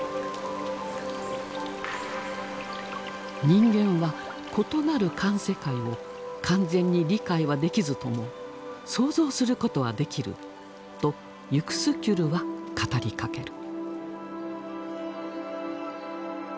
「人間は異なる環世界を完全に理解はできずとも想像することはできる」とユクスキュルは語りかける。